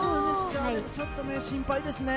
ちょっと心配ですね。